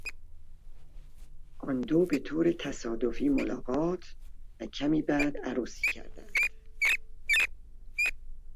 آن دو به طور تصادفی ملاقات و کمی بعد عروسی کردند.